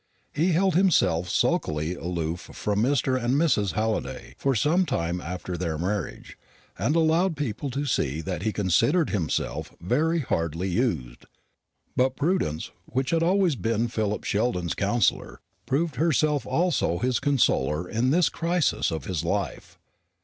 He held himself sulkily aloof from Mr. and Mrs. Halliday for some time after their marriage, and allowed people to see that he considered himself very hardly used; but Prudence, which had always been Philip Sheldon's counsellor, proved herself also his consoler in this crisis of his life.